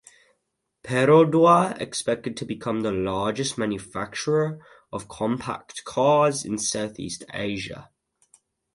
Perodua expected to become the largest manufacturer of compact cars in South-East Asia.